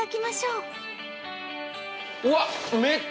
うわっ！